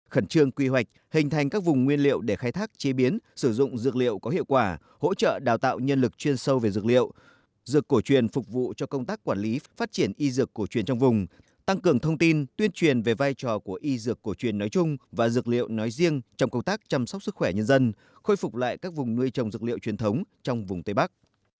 các tiểu vùng được hình thành các vùng nguyên liệu để khai thác chế biến sử dụng dược liệu có hiệu quả hỗ trợ đào tạo nhân lực chuyên sâu về dược liệu dược cổ truyền phục vụ cho công tác quản lý phát triển y dược cổ truyền trong vùng tăng cường thông tin tuyên truyền về vai trò của y dược cổ truyền nói chung và dược liệu nói riêng trong công tác chăm sóc sức khỏe nhân dân khôi phục lại các vùng nuôi trồng dược liệu truyền thống trong vùng tây bắc